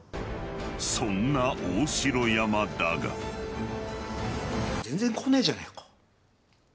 そんな大城山だが全然来ねえじゃねぇか。